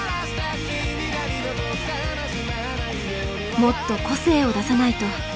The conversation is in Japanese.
もっと個性を出さないと。